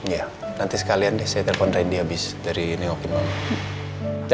iya nanti sekalian deh saya telepon ready abis dari nengokin mama